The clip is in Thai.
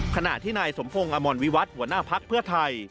ขณะที่นายสมพงศ์อมรวิวัฒน์หัวหน้าภักดิ์เพื่อไทย